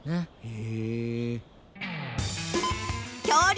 へえ。